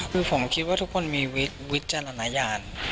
คือผมคิดว่าทุกคนมีวิจารณญาณ